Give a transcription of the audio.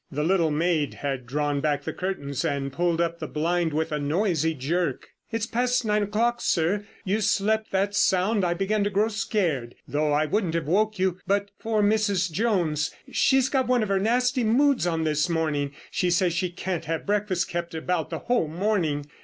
The little maid had drawn back the curtains and pulled up the blind with a noisy jerk. "It's past nine o'clock, sir. You slept that sound I began to grow scared—though I wouldn't have woke you but for Mrs. Jones—she's got one of her nasty moods on this morning; she says she can't have breakfast kept about the whole morning.